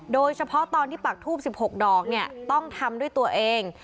โดยเฉพาะตอนที่ปักทูบ๑๖ดอกเนี่ยต้องทำด้วยตัวเอง